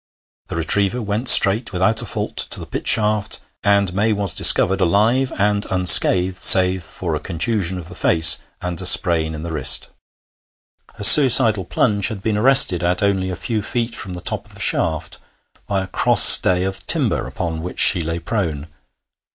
The retriever went straight, without a fault, to the pit shaft, and May was discovered alive and unscathed, save for a contusion of the face and a sprain in the wrist. Her suicidal plunge had been arrested, at only a few feet from the top of the shaft, by a cross stay of timber, upon which she lay prone.